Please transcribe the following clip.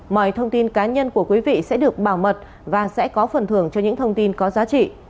mọi thông tin cá nhân của quý vị sẽ được bảo mật và sẽ có phần thưởng cho những thông tin có giá trị